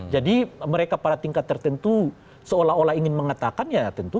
jadi mereka pada tingkat tertentu seolah olah ingin mengatakan ya tentu gitu